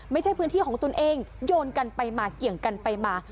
ไม่ใช่พื้นที่ของตนเองโยนกันไปมาเกี่ยงกันไปมา